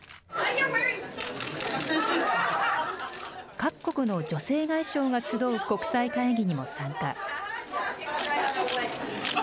各国の女性外相が集う国際会議にも参加。